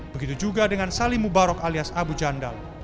begitu juga dengan salim mubarok alias abu jandal